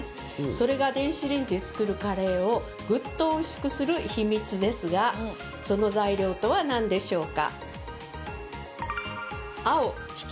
それが、電子レンジで作るカレーをぐっとおいしくする秘密ですがその材料とは何でしょうか？